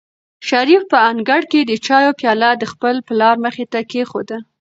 شریف په انګړ کې د چایو پیاله د خپل پلار مخې ته کېښوده.